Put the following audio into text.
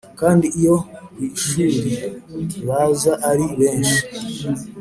kandi iyo ku ishuri baza ari benshi,